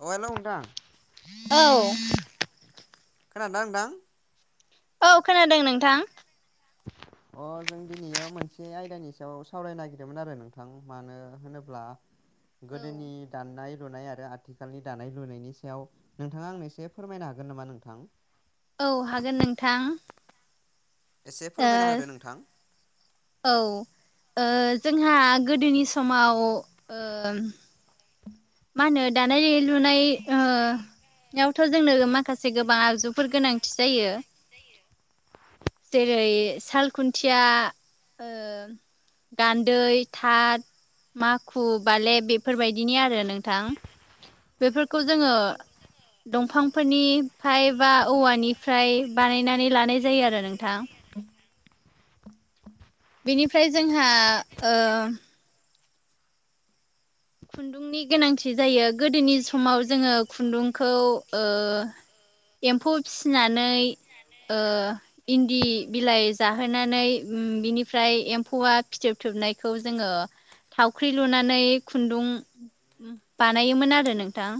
अ hello नोंथां औ खोनादोंना नोंथां औ खोनादों नोंथां [inaudible] अ जों दिनैयो मोनसे आयदानि सायाव सावरायनो नागिरदोंमोन आरो नोंथां मानो होनोब्ला गोदोनि औ दानाय लुनाय आरो आथिखालनि दानाय लुनायनि सायाव नोंथाङा आंनो एसे फोरमायनो हागोन नामा नोंथां औ हागोन नोंथां एसे फोरमायना ओ होदो नोंथां औ ओ जोंहा गोदोनि समाव व ओ मा होनो दानाय लुनाय ओ यावथ' जोंनो माखासे गोबां आगजु फोर गोनांथि जायो जेरै साल खुन्थिया ओ गान्दै, थाथ, माखु, बाले बेब बेफोरबायदिनि आरो नोंथां बेफोरखौ जोङो दंफांफोरनि फाइप बा औवानिफ्राय बानायनानै लानाय जायोआरो नोंथां बेनिफ्राय जोंहा ओ खुन्दुंनि गोनांथि जायो गोदोनि स समाव जोङो खुन्दुंखौ ओ एम्फौ फिसिनानै ओ इन्दि बिलाइ जाहोनानै बिनिफ्राय एम्फौवा फिथोब थोबनायखौ जोङो थावख्रि लुनानै खुन्दुं बानायोमोन आरो नोंथां।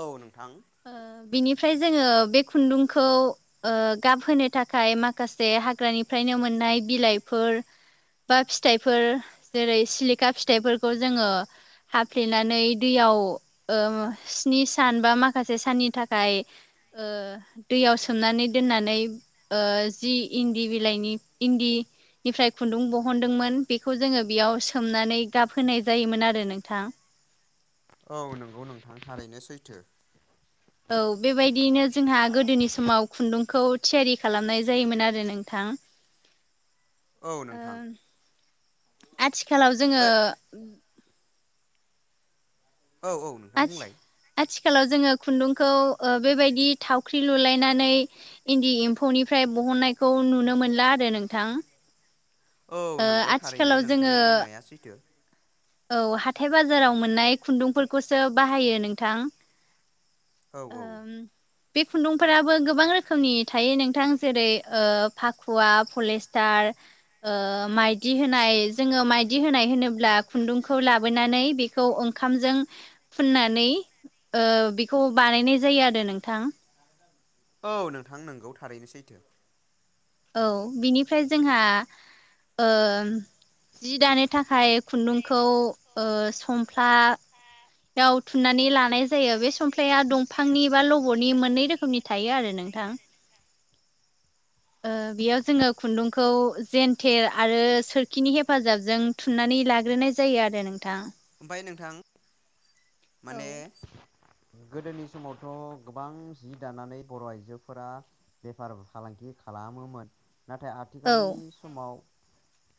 औ नोंथां ओ बिनिफ्राय जोङो बे खुन्दुंखौ ओ गाब होनो थाखाय माखासे हाग्रानिफ्रायनो मोननाय बिलाइफोर बा फिथाइफोर जेरै सिलिखा फिथाइफोरखौ जोङो हाफ्लेनानै दैयाव ओ स्नि सान बा माख माखासे साननि थाखाय ओ दैयाव सोमनानै दोननानै ओ जि इन्दि बिलाइनि इन्दि निफ्राय खुन्दुं बहनदोंमोन बेखौ जोङो बेयाव सोमनानै गाबहोनाय जायोमोन आरो नोंथां। औ नोंगौ नोंथां थारैनो सैथो। औ बेबायदियैनो जोंहा गोदोनि समाव खुन्दुंखौ थियारि खालामनाय जायोमोन आरो नोंथां। औ ओ नोंथां। आथिखालाव जोङो ओइ औ औ नों आथि आथिखालाव जोङो खुन्दुंखौ ओ बेबायदि थावख्रि लुलायनानै इन्दि एम्फौनिफ्राय बहननायखौ नुनो मोनला आरो नोंथां। औ ओ नंगौ थारैनो आथिखालाव जोङो नोंथांनि बुंनाया सैथो। औ हाथाय बाजाराव मोननाय खुन्दुंफोरखौसो बाहायो नोंथां। औ औ ओम बे खुन्दुंफोराबो गोबां रोख खोमनि थायो नोंथां जेरै ओ फाखुवा पलिस्टार। ओ माइदि होनाय जोङो माइदि होनाय होनोब्ला खुन्दुंखौ लाब बोनानै बेखौ ओंखामजों फुननानै ओ बेखौब बानायनाय जायो आरो नोंथां। औ नोंथां नोंगौ थारैनो सैथो। औ बिनिफ्राय जोंहा ओ जि दानोथ थाखाय खुन्दुंखौ ओ समफ्ला आव थुननानै लानाय जायो बे समफ्लाया दंफांनि एबा लबरनि मोननै रोखोमनि थायो आरो नोंथां। ओ बेयाव जोङो खुन्दुंखौ जन्थेर आरो सोरखिनि हेफाजाबजों थुनानै लाग्रोनाय जायो आरो नोंथां। ओमफाय नोंथां औ माने गोदोनि समावथ' गोबां जि दानानै बर' आइजोफोरा बेफार फालांगि खालामोमोन नाथाय आथ औ थिखालनि समाव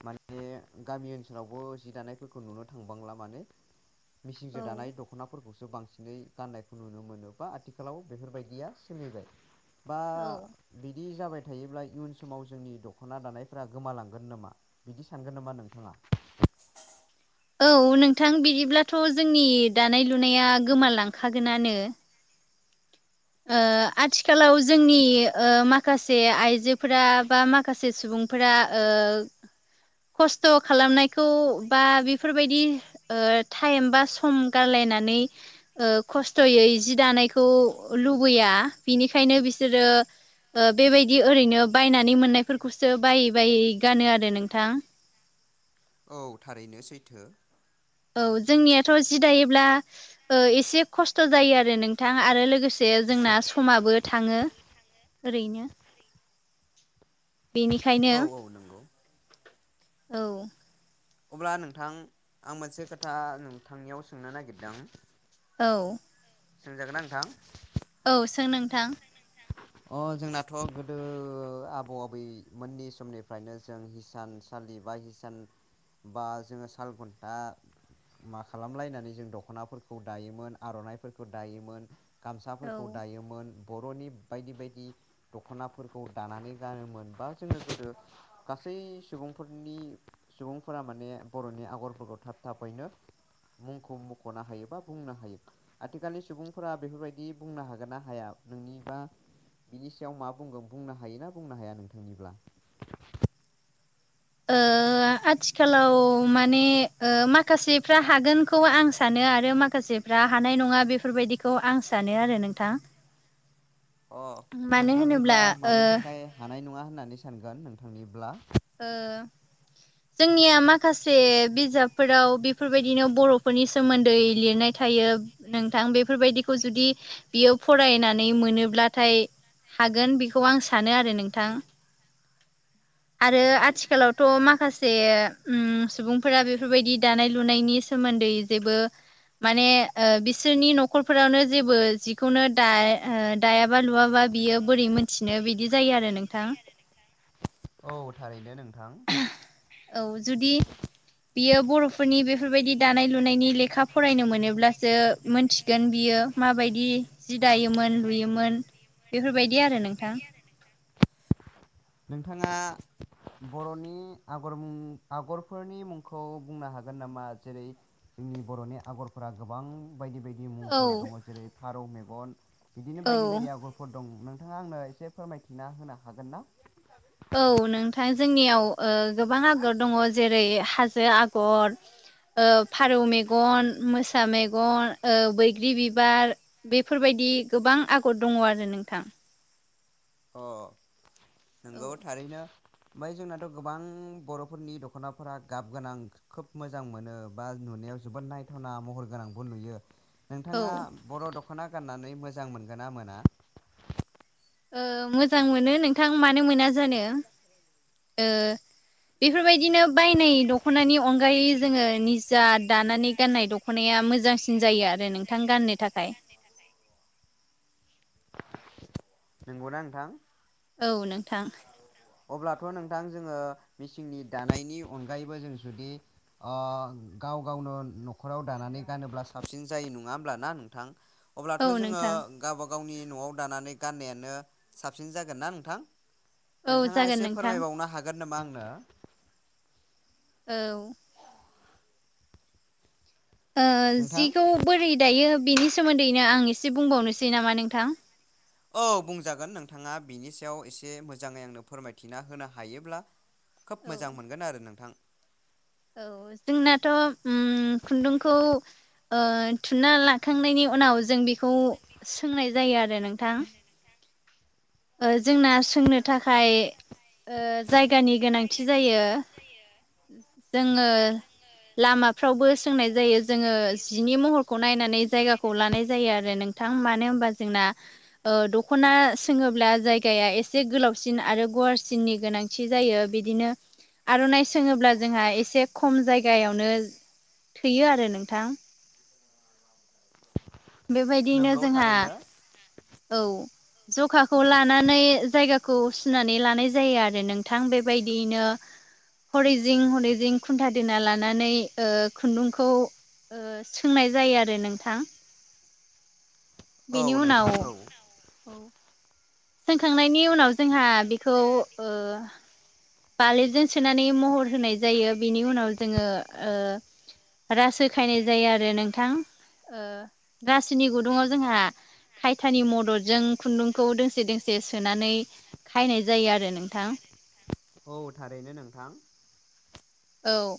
माने गामि ओनसोलावबो जि दानायफोरखौ नुनो थां बांला मानो औ मिसिंजो दानाय दख ख'नाफोरखौसो बांसिनै गाननायखौ नुनो मोनो बा आथिखालाव बेफोरबायदिया सोलिबाय। बा औ बिदि जाबाय थायोब्ला इयुन समाव जोंनि दख'ना दानायफ्रा गोमालांगोन नोमा? बिदि सानगोन नामा नोंथाङा? औ नोंथां बिदिब्लाथ' जोंनि दानाय लुनाया गोमालालांखागोनानो। ओ आथिखालाव जोंनि ओ माखासे आइजोफोरा बा माखासे सुबुं फोरा ओ खस्थ' खालामनायखौ बा बेफोरबायदि ओ टाइम बा सम गारलायनानै ओ खस्थ'यै जि दानायखौ लुबैया बिनिखायनो बिसोरो ओ बेबायदि ओरैनो बायनानै मोननायफोरखौसो बायै बायै गानो आरो नोंथां। औ थारैनो सैथो। औ जोंनियाथ' जि दायोब्ला ओ एसे खस्थ' जायो आरो नोंथां आरो लोगोसे जोंना समाबो थाङो। ओरैनो बेनि बेखायनो औ औ नंगौ औ। अब्ला नोंथां आं मोनसे खोथा नोंथांनियाव सोंनो नागिरदों। औ। सोंजागोन ना नोंथां? औ सोर नोंथां। अ जोंनाथ' गोदो आबौ आबैमोननि समनिफ्रायनो जों हिसान स सालि बा हिसान बा जोङो साल घुन्टा मा खालामलायनानै जों दख'नाफोरखौ दायोमोन आर'नाइफोरखौ दायोमोन। औ गामसाफोरखौ दायोमोन। ‌ बर'नि बायदि बायदि दख'नाफोरखौ दानानै गानोमोन बा जोङो गोदो गासै सुबुंफोरनि सुबुंफोरा माने बर'नि आगरफोरखौ थाब थाबैनो मुंखौ मख'नो हायोबा बुंनो हायोबा। आथिखालनि सुबुंफोरा बेफोरबायदि बुंनो हागोन ना हाया नोंनि बा बिनि सायाव मा बुंगोन बुंनो हायोना बुंनो हाया नोंथांनिब्ला ओ आथिखालाव माने ओ माखासेफ्रा हागोनखौ आं सानो आरो माखासे रा हानाय नङा बेफोरबायदिखौ आं सानो आरो नोंथां अ मानो नोंथांनिब्ला होनोब्ला ओ मानि थाखाय हानाय नङा होननानै सानगोन नोंथांनिब्ला ओ जोंनिया माखासे बिजाबफोराव बेफोरबायदिनो बर'फोरनि सोमोन्दै लिरनाय थायो नोंथां बेफोरबायदिखौ जुदि बियो फरायनानै मोनोब्लाथाय हागोन बेखौ आं सानो आरो नोंथां। आरो आथिखालावथ' माखासे ओमसुबुंफोरा बेफोरबायदि दानाय लुनायनि सोमोन्दै जेबो माने ओ बिसोरनि न'खरफोरावनो जेबो जिखौनो दा ओ दायाबा लुवाबा बियो बोरै मोनथिनो बिदि जायो आरो नोंथां। औ थारैनो नोंथां। औ जुदि बियो बर' बेफोरबायदि दानाय लुनायनि लेखा फरायनो मोनोब्लासो मोनथिगोन बियो माबायदि जि दायोमोन लुयोमोन बेफोरबायदि आरो नोंथां। [unintelligible] नोंथाङा बर'नि आगर मुं आगरफोरनि मुंखौ बुंनो हागोन नामा जेरै जोंनि बर'नि आगरफोरा गोबां बायदि-बायदि औ मुंफोर दङ जेरै फारौ मेगन बिदिनो औ बायदि-बायदि आगर फोर दं नोंथाङा आंनो एसे फोरमायथिना होनो हागोन ना। औ नोंथां जोंनियाव ओ गोबां आगर दङ जेरै हाजो आगर ओफारौ मेगन मोसा मेगन ओ बैग्रि बिबार बेफोरबायदि गोबां आगर दङ आरो नोंथां। अ औ नोंगौ थारैनो। ओमफ्राय जोंनाथ' गोबां बर'फोरनि दख'नाफोरा गाब गोनां खोब मोजां मोनो बा नुनायाव जोबोद नायथावना महर गोनांबो नुयो। नोंथाङा औ बर' दख'ना गाननानै मोजां मोनगोन ना मोना। ओ मोजां मोनो नोंथां मानो मोना जानो। बेफोरबायदिनो बायनाय दख'नानि अनगायै जोङो निजा दानानै गाननाय दख'नाया मोजांसिन जायो आरो नोंथां गाननो थाखाय। गाननो थाखाय नोंगौना नोंथां। औ नोंथां [unintelligible] अब्लाथ' नोंथां जोङो मेचिननि दानायनि अनगायैबो जों जुदि गाव गावनो नखर नखराव दानानै गानोब्ला साबसिन जायो नङा होमब्लाना नोंथां औ अब्लाथ' जोङो नोंथां गावब गावनि न'आव दानानै गाननायानो साबसिन जागोन ना नोंथां औ नोंथाङा जागोन एसे नोंथां फोरमायबावनो हागोन नामा आंनो औ। ओ नोंथां जिखौ बोरै दायो बिनि सोमोन्दैनो आं एसे बुंबावनोसै नामा नोंथां। औ बुंजागोन नोंथाङा बिनि सायाव एसे मोजाङै आंनो फोरमायथिना होनो हायोब्ला खोब औ मोजां मोनगोन आरो नोंथां। औ जोंनाथ' खुन्दुंखौ थुनना लाखांनायनि उनाव जों बेखौ सोंनाय जायो आरो नोंथां जोंना सोंनो थाखाय जायगानि गोनांथि जायो। जोङो लामाफ्रावबो सोंनाय जायो जोङो जिनि महर नायनानै जायगाखौ लानाय जायो आरो नोंथां मानो होनबा जोंना दखना सोङोब्ला जायगाया एसे गोलावसिन आरो गुवारसिननि गोनांथि जायो बिदिनो आर'नाइ सोङोब्ला जोंहा एसे खम जायगायावनो थैयो आरो नोंथां बेबायदिनो नंगौ जोंहा थारैनो औ जखाखौ लानानै जायगा खौ सुनानै लानाय जायो आरो नोंथां बेबायदियैनो हरै जिं हरै जिं खुन्था दोना लानानै खुन्दुंखौ सोंनाय जायो आरो नोंथां औ बेनि उनाव नोंथां औ औ सोंखांनायनि उनाव जोंहा बेखौ बालेबजों सोनानै महर होनाय जायो बिनि उनाव जोङो रासो खायनाय जायो आरो नोंथां रासोनि गुदुङाव जोंहा खायथानि मददजों खुन्दुंखौ दोंसे दोंसे सोनानै फायनाय जायो आरो नोंथां औ थारैनो नोंथां औ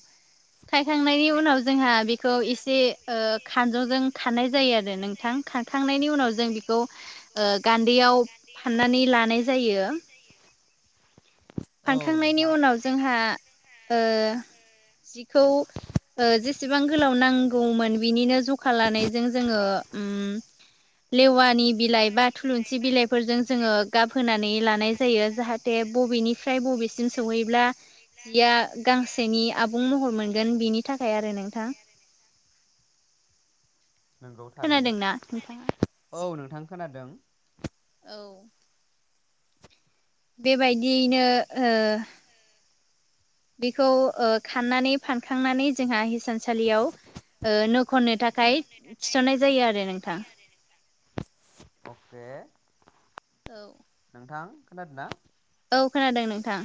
खायखांनायनि उनाव जोंहा बेखौ एसे खानजंजों खारानाय जायो आरो नोंथां खांखांनायनि उनाव जों बेखौ गान्दैयाव फाननानै लानाय जायो औ फानखांनायनि नोंथां उनाव जोंहा जिखौ जेसेबां गोलाव नांगौमोन बिनिनो जखा लानायजों जोङो लेवानि बिलाइ बा थुलुंसि बिलाइफोरजों जोङो गाबहोनानै लानाय जायो जाहाथे बबेनिफ्राय बबे सिम सौहैब्ला जिया गांसेनि आबुं महर मोनगोन बिनि थाखाय आरो नोंथां नंगौ थारैनो खोनादोंना नोंथाङा? औ नोंथां खोनादों औ बेबायदियैनो [inaudible] बेखौ खाननानै फानखांनानै जोंहा हिसानसालियाव ओ नो खननो थाखाय थिसननाय जायो आरो नोंथां अखे [inaudible] नोंथां औ खोनादों नोंथां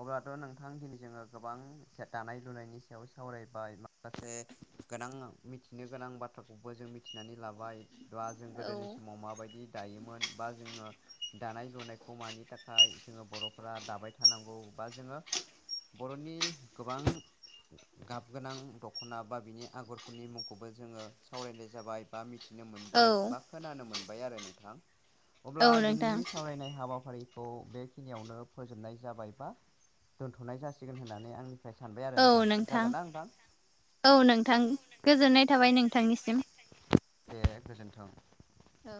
औ खोनादों अब्लाथ' नोंथां दिनै जोङो गोबां दानाय लुनायनि सायाव सावरायबाय माखासे गोनां मिथिनो गोनां बाथ्राखौबो जों मिथिनानै लाबाय दा जों औ गोदोनि समाव माबायदि दायोमोन बा जोङो दानाय लुनायखौ मानि थाखाय जोङो बर फोरा दाबाय थानांगौ बा जोङो बरनि गोबां गाब गोनां दखना बा बिनि आगरफोरनि मुंखौबो जोङो सावरायनाय जाबाय बा मिथि मिथिनो औ मोनबाय बा खोनानो मोनबाय आरो नोंथां औ अब्ला नोंथां दिनैनि सावरायनाय हाबाफारिखौ खौ बेखिनियावनो फोजोबनाय जाबाय बा दोन्थनाय जासिगोन होननानै आंनि औ नोंथां औ नोंथां गोजोननाय थाबाय नोंथांनिसिम दे गोजोन्थों ओ